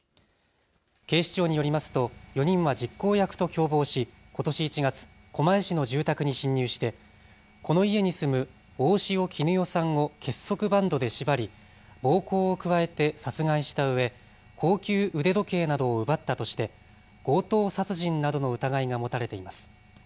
警視庁によりますと４人は実行役と共謀し、ことし１月、狛江市の住宅に侵入してこの家に住む大塩衣與さんを結束バンドで縛り暴行を加えて殺害したうえ高級腕時計などを奪ったとして強盗殺人などの疑いが持たれています。